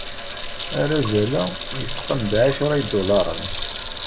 Arazal-a yesqam-d ɛecṛa n yidulaṛen.